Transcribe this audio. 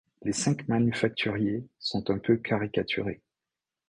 Les cinq manufacturiers sont un peu caricaturés.